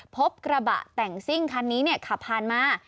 พบกระบะแต่งซิ่งคันนี้เนี่ยขับพันมา